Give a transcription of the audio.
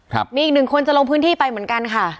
มีอีกหนึ่งคนจะลงพื้นที่ไปเหมือนกันค่ะ